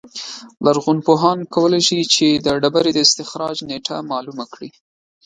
لرغونپوهان کولای شي چې د ډبرې د استخراج نېټه معلومه کړي